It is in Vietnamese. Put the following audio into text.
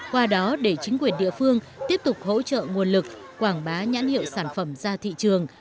qua đó để chính quyền địa phương tiếp tục hỗ trợ nguồn lực quảng bá nhãn hiệu sản phẩm ra thị trường